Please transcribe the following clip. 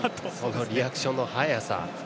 リアクションの早さ。